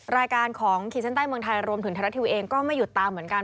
รายการของขีดเส้นใต้เมืองไทยรวมถึงไทยรัฐทีวีเองก็ไม่หยุดตามเหมือนกัน